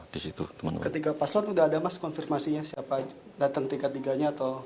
ketika paslon sudah ada mas konfirmasinya siapa datang tiga tiganya atau